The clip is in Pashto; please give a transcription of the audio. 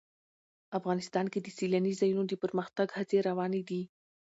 افغانستان کې د سیلاني ځایونو د پرمختګ هڅې روانې دي.